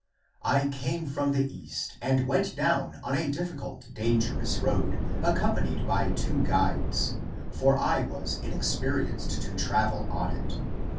I came from the East <and went down> On a difficult, dangerous road. Accompanied by two guides, For I was unexperienced, to travel on it.